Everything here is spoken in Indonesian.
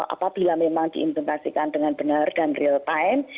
apabila memang diimplementasikan dengan benar dan real time